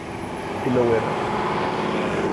I no ho era.